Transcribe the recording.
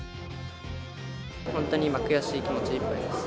本当に今、悔しい気持ちでいっぱいです。